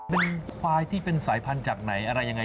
เป็นควายที่เป็นสายพันธุ์จากไหนอะไรยังไง